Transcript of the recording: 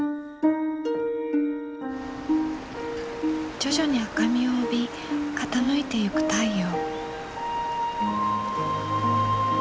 徐々に赤みを帯び傾いてゆく太陽。